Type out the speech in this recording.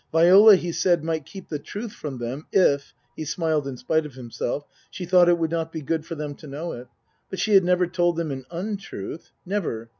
Viola, he said, might keep the truth from them if (he smiled in spite of himself) she thought it would not be good for them to know it. But she had never told them an untruth. Never.